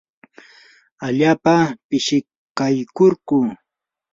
allaapa pishikaykurquu.